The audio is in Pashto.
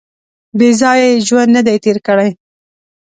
• بېځایه یې ژوند نهدی تېر کړی.